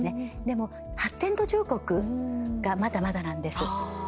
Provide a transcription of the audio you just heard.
でも発展途上国がまだまだなんです。